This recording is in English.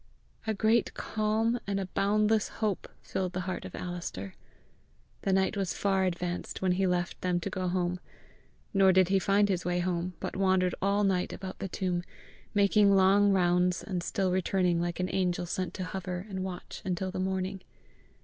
A great calm and a boundless hope filled the heart of Alister. The night was far advanced when he left them to go home. Nor did he find his way home, but wandered all night about the tomb, making long rounds and still returning like an angel sent to hover and watch until the morning.